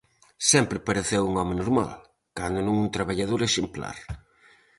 Sempre pareceu un home normal, cando non un traballador exemplar.